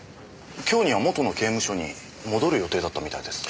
今日には元の刑務所に戻る予定だったみたいです。